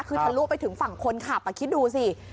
ถ้ารวบไปถึงฝั่งคนขับคิดดูสิ